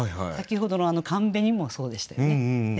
先ほどの「寒紅」もそうでしたよね。